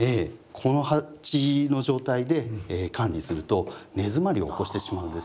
この鉢の状態で管理すると根詰まりを起こしてしまうんですよね。